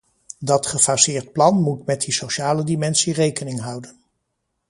Dat gefaseerd plan moet met die sociale dimensie rekening houden.